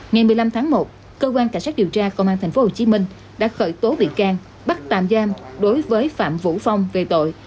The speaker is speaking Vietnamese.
ngày một mươi năm tháng một cơ quan cảnh sát điều tra công an tp hcm đã khởi tố bị can bắt tạm giam đối với phạm vũ phong về tội